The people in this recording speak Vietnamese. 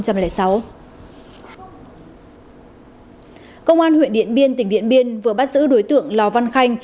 công an huyện điện biên tỉnh điện biên vừa bắt giữ đối tượng lò văn khanh